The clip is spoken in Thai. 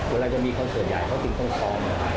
เวลาจะมีคอนเสิร์ตใหญ่เขาถึงต้องซ้อม